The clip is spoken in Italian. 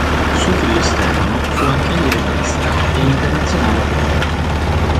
Suo figlio Stefano fu anch'egli rugbista e internazionale per l'.